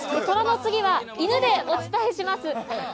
虎の次は犬でお伝えします。